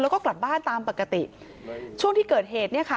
แล้วก็กลับบ้านตามปกติช่วงที่เกิดเหตุเนี่ยค่ะ